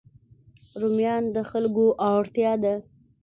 رومیان د خلکو اړتیا ده